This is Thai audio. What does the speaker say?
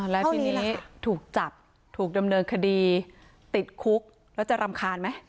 แล้วทีนี้ถูกจับถูกดำเนินคดีติดคุกแล้วจะรำคาญไหม